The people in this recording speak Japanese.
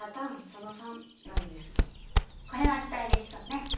その３なのですがこれは期待できそうね